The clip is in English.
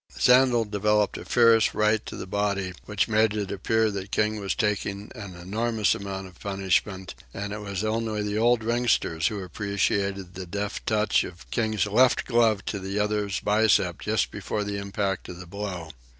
Sandel developed a fierce right to the body, which made it appear that King was taking an enormous amount of punishment, and it was only the old ringsters who appreciated the deft touch of King's left glove to the other's biceps just before the impact of the blow.